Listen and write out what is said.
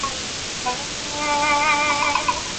پيغمبر د حق لاره وښوده.